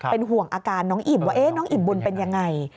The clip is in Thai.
เป็นห่วงอาการน้องอิ่มว่าน้องอิ่มบุญเป็นยังไง